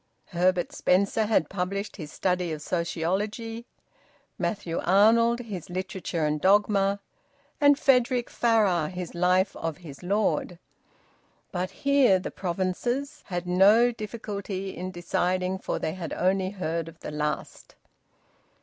Herbert Spencer had published his "Study of Sociology"; Matthew Arnold his "Literature and Dogma"; and Frederic Farrar his Life of his Lord; but here the provinces had no difficulty in deciding, for they had only heard of the last.